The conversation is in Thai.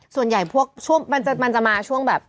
ส่วนใหญ่มันจะมาช่วงแบบ